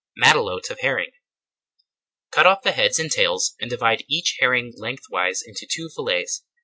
MATELOTE OF HERRING Cut off the heads and tails and divide each herring lengthwise into two fillets.